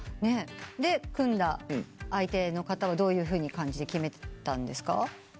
で組んだ相手の方はどういうふうな感じで決めたんですか？